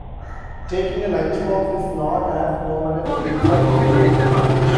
Taking a lunchbox is not as common as elsewhere in Europe.